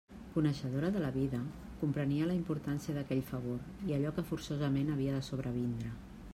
Coneixedora de la vida, comprenia la importància d'aquell favor i allò que forçosament havia de sobrevindre.